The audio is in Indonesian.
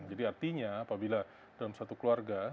jadi artinya apabila dalam satu keluarga